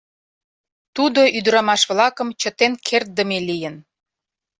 Тудо ӱдырамаш-влакым чытен кертдыме лийын.